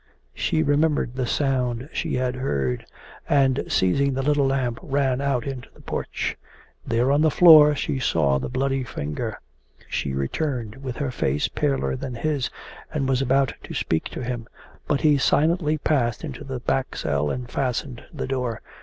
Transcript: She remembered the sound she had heard, and seizing the little lamp ran out into the porch. There on the floor she saw the bloody finger. She returned with her face paler than his and was about to speak to him, but he silently passed into the back cell and fastened the door.